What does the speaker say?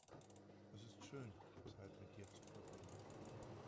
Es ist schön, Zeit mit dir zu verbringen.